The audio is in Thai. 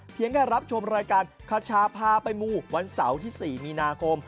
ได้รับชมรายการคชาพาไปมูวันเสาร์ที่๔มีนาคม